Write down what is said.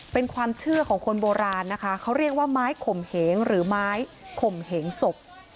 เป็นความเชื่อของคนโบราณนะคะเขาเรียกว่าไม้ข่มเหงหรือไม้ข่มเหงศพ